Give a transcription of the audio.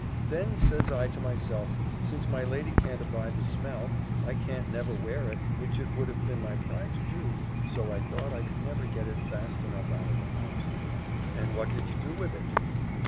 Then, says I to myself, since my lady can't abide the smell, I can't never wear it, which it would have been my pride to do; so I thought I could never get it fast enough out of the house." "And what did you do with it?"